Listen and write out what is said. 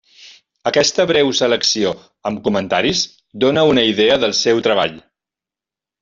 Aquesta breu selecció, amb comentaris, dóna una idea del seu treball.